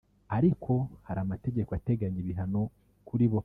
ariko ko hari amategeko ateganya ibihano kuri bo